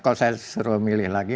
kalau saya suruh milih lagi